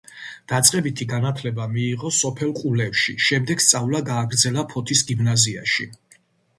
დაწყებითი განათლება მიიღო სოფელ ყულევში, შემდეგ სწავლა გააგრძელა ფოთის გიმნაზიაში.